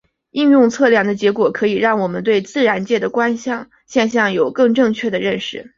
应用量测的结果将可以让我们对自然界的现象能有更正确的认知。